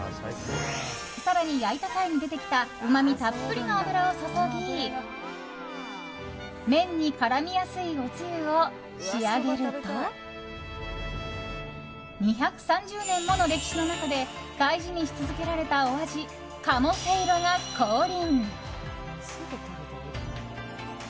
更に焼いた際に出てきたうまみたっぷりの油を注ぎ麺に絡みやすいおつゆを仕上げると２３０年もの歴史の中で大事にし続けられたお味鴨せいろが降臨。